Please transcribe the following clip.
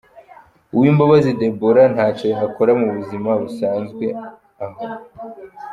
Uwimbabazi Deborah ntacyo yakoraga mu buzima busanzwe aho.